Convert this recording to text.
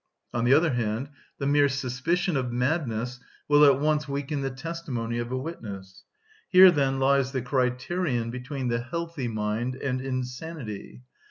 On the other hand, the mere suspicion of madness will at once weaken the testimony of a witness. Here, then, lies the criterion between the healthy mind and insanity.